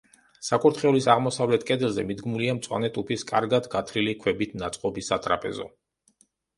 საკურთხევლის აღმოსავლეთ კედელზე მიდგმულია მწვანე ტუფის კარგად გათლილი ქვებით ნაწყობი სატრაპეზო.